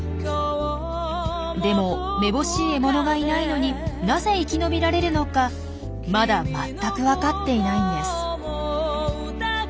でもめぼしい獲物がいないのになぜ生き延びられるのかまだ全くわかっていないんです。